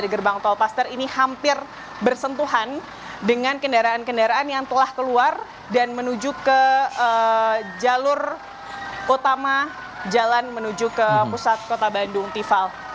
di gerbang tolpaster ini hampir bersentuhan dengan kendaraan kendaraan yang telah keluar dan menuju ke jalur utama jalan menuju ke pusat kota bandung tival